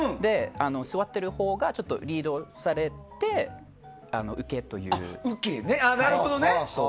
座っているほうがリードされて受けという。